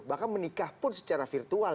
bahkan menikah pun secara virtual